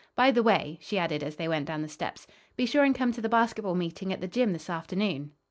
By the way," she added, as they went down the steps, "be sure and come to the basketball meeting at the gym this afternoon."